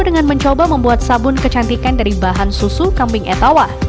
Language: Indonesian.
dengan mencoba membuat sabun kecantikan dari bahan susu kambing etawa